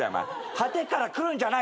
果てから来るんじゃない。